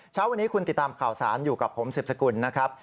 เช้าวันนี้คุณติดตามข่าวสารอยู่กับผมสืบสกุลนะครับ